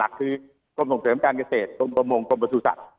คือกลมส่งเสริมการเกษตรตรงประมงกลมประสูรสัตว์